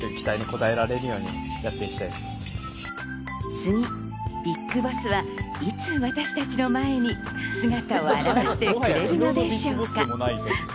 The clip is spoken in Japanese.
次、ＢＩＧＢＯＳＳは、いつ私たちの前に姿を現してくれるのでしょうか。